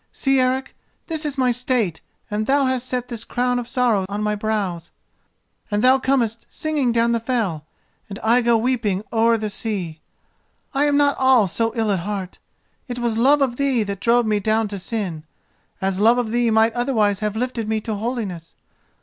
See, Eric, this is my state and thou hast set this crown of sorrow on my brows: and thou comest singing down the fell, and I go weeping o'er the sea! I am not all so ill at heart. It was love of thee that drove me down to sin, as love of thee might otherwise have lifted me to holiness.